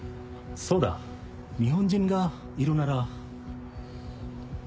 そうだ日本人がいるなら。